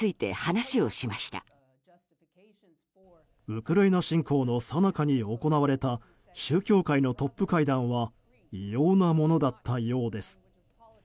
ウクライナ侵攻のさなかに行われた宗教界のトップ会談は異様なものだったようです。